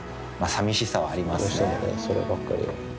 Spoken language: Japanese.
どうしてもねそればっかりは。